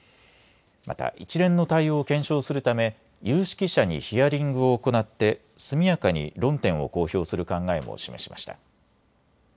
また一連の対応を検証するため有識者にヒアリングを行って速やかに論点を公表する考えも示しました。